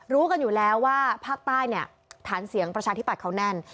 รู้กันอยู่แล้วว่าภาคใต้เนี่ยฐานเสียงประชาธิบัตย์เขาแน่น